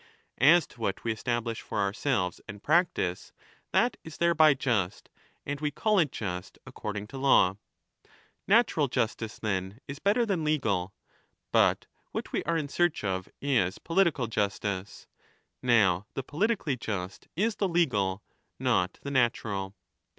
As to what we establish for ourselves and practise, that is thereby just, 5 and we call it just according to law. Natural justice, then, is better than legal. But what we are in search of is political justice. Now the politically just is the legal, not the natural.